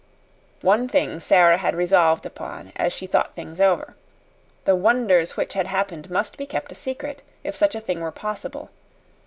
One thing Sara had resolved upon, as she thought things over. The wonders which had happened must be kept a secret, if such a thing were possible.